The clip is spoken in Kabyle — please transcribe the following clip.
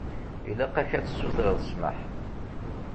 Ilaq-ak ad tsutreḍ ssmaḥ.